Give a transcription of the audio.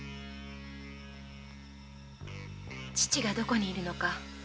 父がどこに居るのか